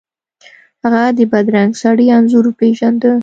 هغه د بدرنګه سړي انځور وپیژنده.